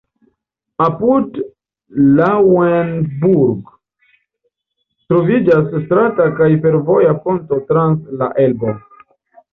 Apud Lauenburg troviĝas strata kaj fervoja ponto trans la Elbo.